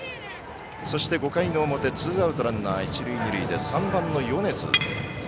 そして、５回の表ツーアウトランナー、一塁二塁で３番の米津。